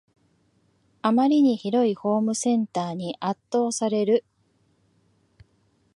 あまりに広いホームセンターに圧倒される